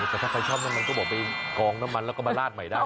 แต่ถ้าใครชอบน้ำมันก็บอกไปกองน้ำมันแล้วก็มาลาดใหม่ได้